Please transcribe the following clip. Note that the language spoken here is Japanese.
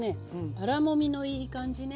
粗もみのいい感じね。